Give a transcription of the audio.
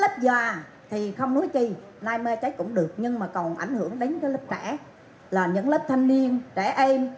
cũng được nhưng mà còn ảnh hưởng đến cái lớp trẻ là những lớp thanh niên trẻ em